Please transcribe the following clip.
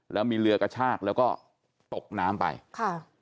แล้วมีเรือกระชากแล้วก็ตกน้ำไปค่ะ